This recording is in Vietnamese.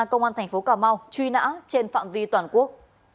công an thành phố cà mau truy nã trên phạm vi toàn quốc